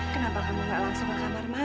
kenapa kamu nggak langsung ke kamar mama